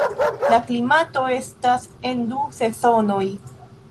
La klimato estas en du sezonoj.